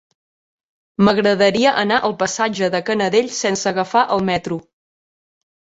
M'agradaria anar al passatge de Canadell sense agafar el metro.